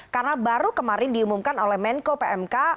karena baru kemarin diumumkan oleh menko pmk